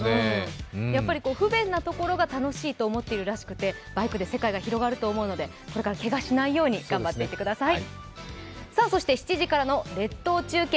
やっぱり不便なところが楽しいと思っているらしくて、バイクで世界が広がると思うので、これからけがしないように頑張っていってください。